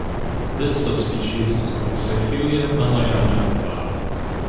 This subspecies is called "Styphelia malayana" var.